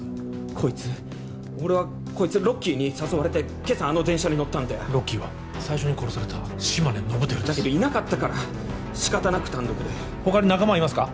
こいつ俺はこいつロッキーに誘われて今朝あの電車に乗ったんだよロッキーは最初に殺された島根亘輝ですだけどいなかったから仕方なく単独で他に仲間はいますか？